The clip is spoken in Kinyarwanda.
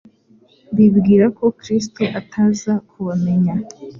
bibwira ko Kristo ataza kubamenya.